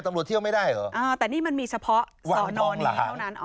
เที่ยวไม่ได้เหรออ่าแต่นี่มันมีเฉพาะสอนอนี้เท่านั้น